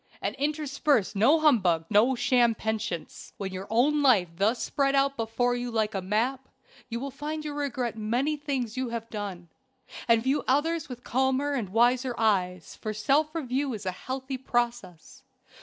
And intersperse no humbug, no sham penitence. When your own life lies thus spread out before you like a map, you will find you regret many things you have done, and view others with calmer and wiser eyes; for self review is a healthy process.